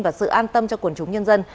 và sự an tâm cho quần chúng nhân dân